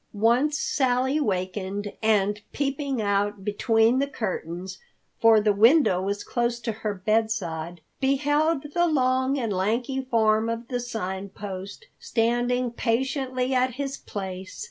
Once Sally wakened and, peeping out between the curtains—for the window was close to her bedside—beheld the long and lanky form of the Sign Post standing patiently at his place.